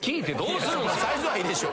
サイズはいいでしょ。